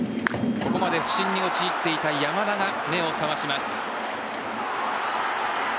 ここまで不振に陥っていた山田が目を覚まします。